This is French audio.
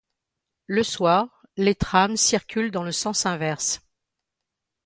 Le soir, les trams circulent dans le sens inverse.